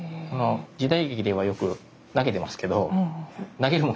時代劇ではよく投げてますけど投げるもんじゃないです。